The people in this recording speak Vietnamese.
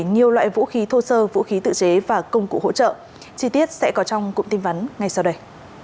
nhiều loại vũ khí thô sơ vũ khí tự chế và công cụ hỗ trợ chi tiết sẽ có trong cụm tin vắn ngay sau đây